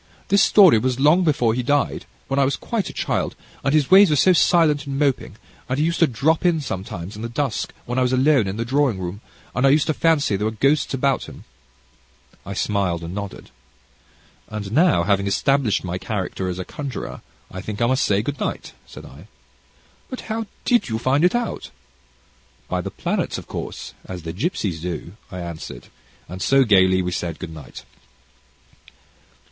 This story was long before he died when I was quite a child and his ways were so silent and moping, and he used to drop in sometimes, in the dusk, when I was alone in the drawing room, and I used to fancy there were ghosts about him." I smiled and nodded. "And now, having established my character as a conjurer, I think I must say good night," said I. "But how did you find it out?" "By the planets, of course, as the gipsies do," I answered, and so, gaily we said good night.